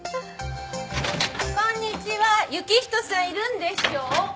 こんにちは行人さんいるんでしょ？